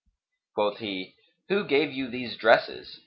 Quoth he, "Who gave you these dresses?